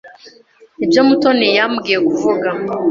Nibyo Mutoni yambwiye kuvuga.